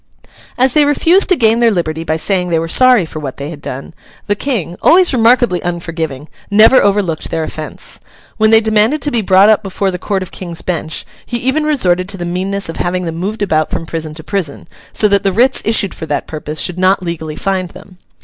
As they refused to gain their liberty by saying they were sorry for what they had done, the King, always remarkably unforgiving, never overlooked their offence. When they demanded to be brought up before the court of King's Bench, he even resorted to the meanness of having them moved about from prison to prison, so that the writs issued for that purpose should not legally find them.